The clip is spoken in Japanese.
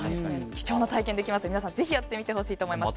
貴重な体験ができますので皆さんぜひやってみてほしいと思います。